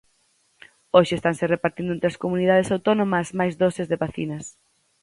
Hoxe estanse repartindo entre as comunidades autónomas máis doses de vacinas.